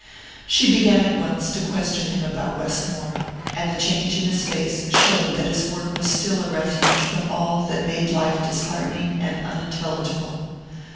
She began at once to question him about Westmore, and the change in his face showed that his work was still a refuge from all that made life disheartening and unintelligible.